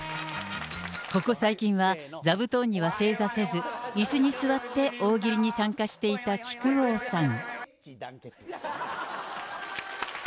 ここ最近は座布団には正座せず、いすに座って大喜利に参加していた木久扇さん。